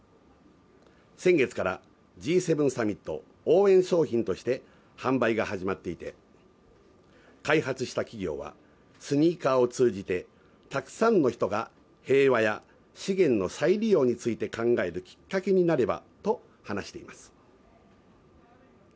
先月からＧ７サミット応援商品として販売が始まっていて、開発した企業はスニーカーを通じて、たくさんの人が平和や資源の再利用について考えるきっかけになればと話しています。